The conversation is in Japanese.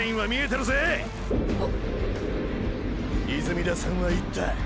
泉田さんは言った！